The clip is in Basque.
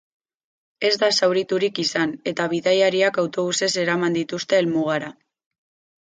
Ez da zauriturik izan, eta bidaiariak autobusez eraman dituzte helmugara.